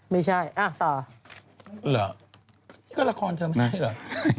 เว้นมาแหละตายหรือ